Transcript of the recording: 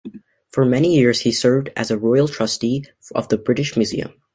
For many years he served as Royal Trustee of the British Museum.